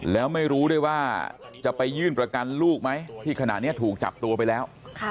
แล้วไม่รู้ด้วยว่าจะไปยื่นประกันลูกไหมที่ขณะนี้ถูกจับตัวไปแล้ว